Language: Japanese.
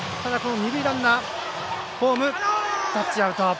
二塁ランナーはホームタッチアウト。